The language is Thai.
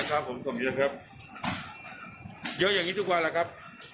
ครับผมขอบคุณครับเยอะอย่างนี้ทุกวันแหละครับ